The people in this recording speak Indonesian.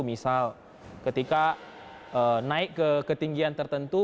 misal ketika naik ke ketinggian tertentu